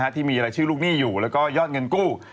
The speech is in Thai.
ที่มีรายชื่อลูกหนี้อยู่แล้วก็ยอดเงินกู้